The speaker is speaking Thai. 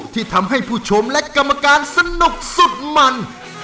ที่ทำให้ผู้ชมและกรรมการสนุกสุดมัน